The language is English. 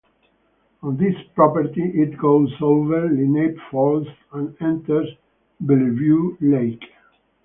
On this property it goes over Lenape Falls and enters Bellevue Lake.